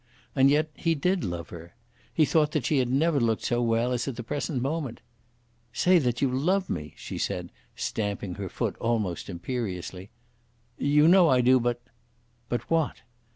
And yet he did love her. He thought that she had never looked so well as at the present moment. "Say that you love me," she said, stamping her foot almost imperiously. "You know I do, but " "But what."